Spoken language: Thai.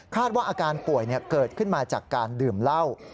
ว่าอาการป่วยเกิดขึ้นมาจากการดื่มเหล้า